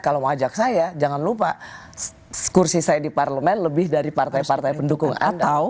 kalau mau ajak saya jangan lupa kursi saya di parlemen lebih dari partai partai pendukung